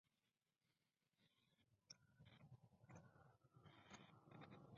A veces todavía se utiliza en el habla cotidiana finlandesa.